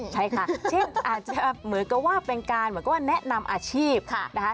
ใช่ค่ะเช่นอาจจะเหมือนกับว่าเป็นการเหมือนกับว่าแนะนำอาชีพนะคะ